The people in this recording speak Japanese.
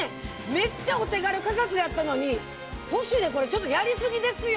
めっちゃお手軽価格やったのに『ポシュレ』これちょっとやり過ぎですよ！